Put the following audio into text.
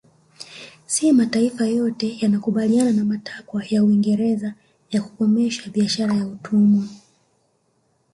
Si mataifa yote yalikubaliana na matakwa ya Uingereza ya kukomesha biashara ya utumwa